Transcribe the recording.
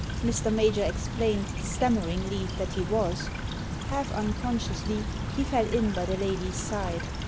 '* Mr. Major explained, stammeringly, that he was. Half unconsciously, he fell in by the lady's side.